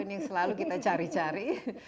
ini yang selalu kita cari cari